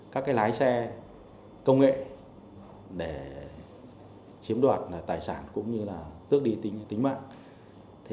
các lái xe công nghệ để chiếm đoạt tài sản cũng như là tước đi tính mạng